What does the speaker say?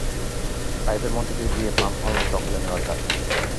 পাইপের মধ্য দিয়ে গিয়ে পাম্প হাউস দখলে নেওয়ার কাজে।